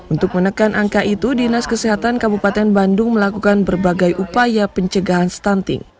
untuk menekan angka itu dinas kesehatan kabupaten bandung melakukan berbagai upaya pencegahan stunting